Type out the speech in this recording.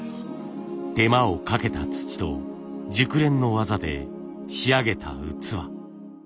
手間をかけた土と熟練の技で仕上げた器。